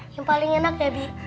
yang paling enak debbie